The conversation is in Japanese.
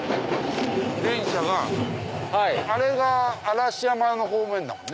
電車があれが嵐山の方面だもんね。